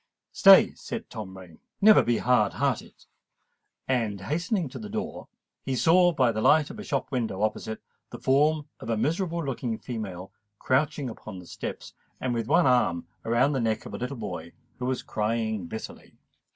"Stay!" cried Tom Rain: "never be hard hearted!" And, hastening to the street door, he saw, by the light of a shop window opposite, the form of a miserable looking female crouching upon the steps, and with one arm round the neck of a little boy who was crying bitterly.